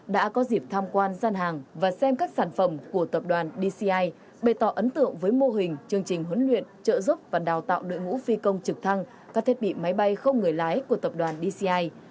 đã có dịp tham quan gian hàng và xem các sản phẩm của tập đoàn dci bày tỏ ấn tượng với mô hình chương trình huấn luyện trợ giúp và đào tạo đội ngũ phi công trực thăng các thiết bị máy bay không người lái của tập đoàn dci